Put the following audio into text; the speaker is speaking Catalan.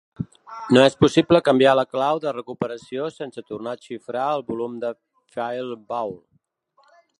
No és possible canviar la clau de recuperació sense tornar a xifrar el volum de FileVault.